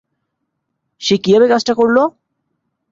সে কীভাবে কাজটা করল?